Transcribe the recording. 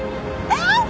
えっ？